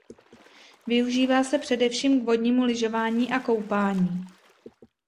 Využívá se především k vodnímu lyžování a koupání.